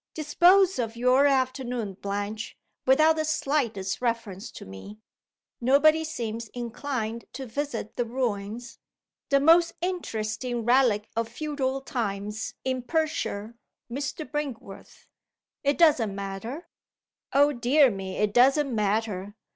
Dispose of your afternoon, Blanche, without the slightest reference to me. Nobody seems inclined to visit the ruins the most interesting relic of feudal times in Perthshire, Mr. Brinkworth. It doesn't matter oh, dear me, it doesn't matter!